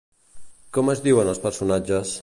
Com es diuen els personatges?